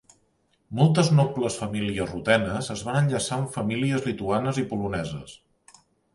Moltes nobles famílies rutenes es van enllaçar amb famílies lituanes i poloneses.